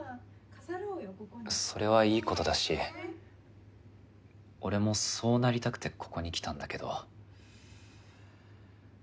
それはいいことだし俺もそうなりたくてここに来たんだけど。